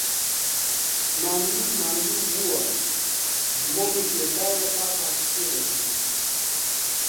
مام نوور ماندوو بووە، زمانی کێشاوە و قاقاش پێدەکەنێ